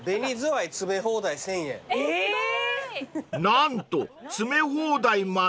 ［何と詰め放題まで］